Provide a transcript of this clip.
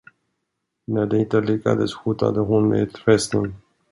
När det inte lyckades, hotade hon med utpressning.